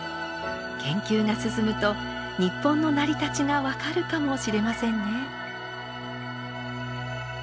研究が進むと日本の成り立ちが分かるかもしれませんね。